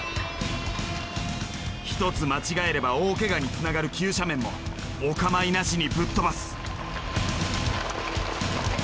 一つ間違えれば大けがにつながる急斜面もお構いなしにぶっ飛ばす。